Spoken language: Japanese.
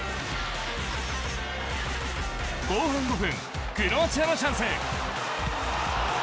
後半５分クロアチアのチャンス。